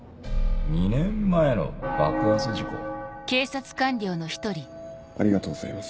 ２年前の爆発事故ありがとうございます。